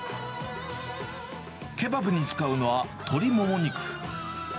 ケバブに使うのは鶏もも肉。